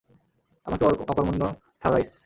আমাকে অকর্মণ্য ঠাওরাইয়াছ!